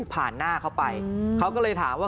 หน้าเขาไปเขาก็เลยถามว่า